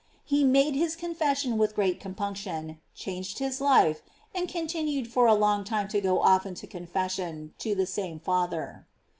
He made his confession with great compunction, changed his life, and continued for a long time to go often to confession to the same father.